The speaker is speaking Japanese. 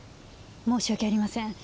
申し訳ありません。